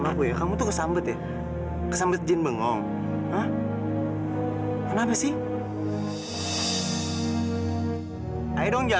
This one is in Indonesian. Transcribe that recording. apa aku harus berdoa